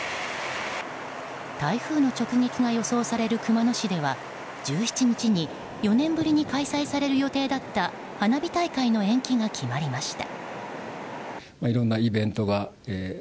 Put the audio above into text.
台風の直撃が予想される熊野市では１７日に４年ぶりに開催される予定だった花火大会の延期が決まりました。